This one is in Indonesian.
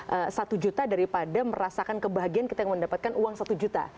lebih menderita kehilangan rp satu juta daripada merasakan kebahagiaan kita yang mendapatkan uang rp satu juta